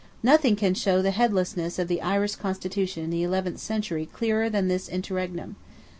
Nothing can show the headlessness of the Irish Constitution in the eleventh century clearer than this interregnum.